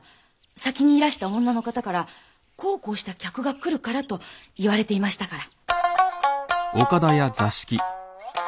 先にいらした女の方から「こうこうした客が来るから」と言われていましたから。